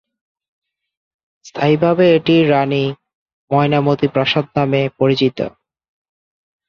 স্থানীয়ভাবে এটি রানী ‘ময়নামতি প্রাসাদ’ নামে পরিচিত।